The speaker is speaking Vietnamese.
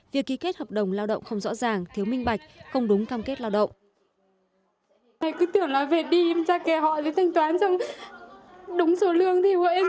việc ký kết hợp đồng lao động không rõ ràng thiếu minh bạch không đúng cam kết lao động